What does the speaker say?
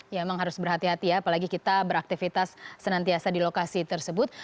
ya memang harus berhati hati ya apalagi kita beraktivitas senantiasa di lokasi tersebut